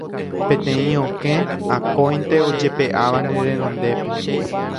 Peteĩ okẽ akóinte ojepe'áva ne renondépe